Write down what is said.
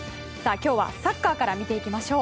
今日はサッカーから見ていきましょう。